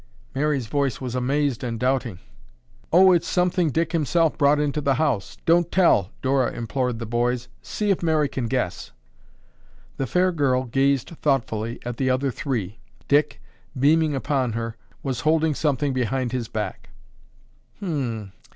Mary's voice was amazed and doubting. "Oh, it's something Dick himself brought into the house. Don't tell," Dora implored the boys. "See if Mary can guess." The fair girl gazed thoughtfully at the other three. Dick, beaming upon her, was holding something behind his back.